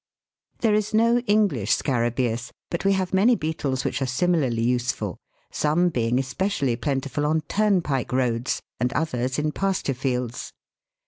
There is no English Scarabreus, but we have many beetles which are similarly useful, some being especially plentiful on turnpike roads, and others in pasture fields.